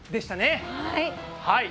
はい。